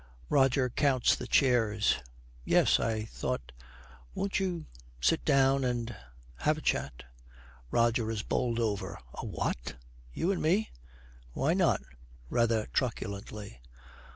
Roger counts the chairs. 'Yes, I thought ' 'Won't you sit down and have a chat?' Roger is bowled over. 'A what? You and me!' 'Why not?' rather truculently.